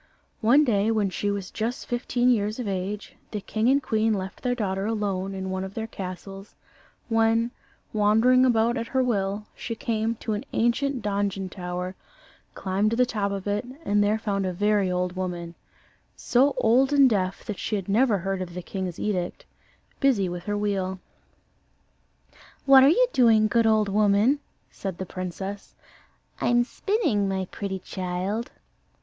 One day, when she was just fifteen years of age, the king and queen left their daughter alone in one of their castles, when, wandering about at her will, she came to an ancient donjon tower, climbed to the top of it, and there found a very old woman so old and deaf that she had never heard of the king's edict busy with her wheel. "What are you doing, good old woman?" said the princess. "I'm spinning, my pretty child."